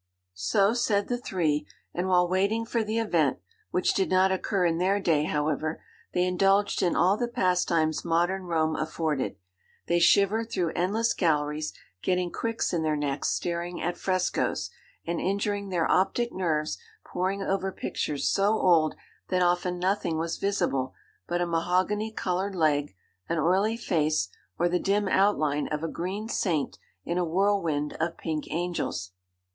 So said the three, and while waiting for the event (which did not occur in their day, however,) they indulged in all the pastimes modern Rome afforded. They shivered through endless galleries, getting 'cricks' in their necks staring at frescoes, and injuring their optic nerves poring over pictures so old that often nothing was visible but a mahogany coloured leg, an oily face, or the dim outline of a green saint in a whirlwind of pink angels.